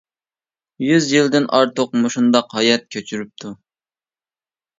يۈز يىلدىن ئارتۇق مۇشۇنداق ھايات كەچۈرۈپتۇ.